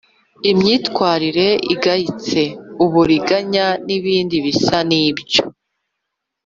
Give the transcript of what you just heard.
imyitwarire igayitse, uburiganya n’ibindi bisa n’ibyo;